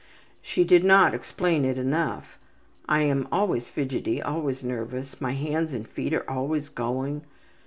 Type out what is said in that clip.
She did not explain it enough. I am always fidgety, always nervous. My hands and feet are always going.